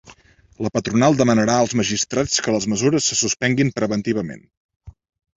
La patronal demanarà als magistrats que les mesures se suspenguin preventivament.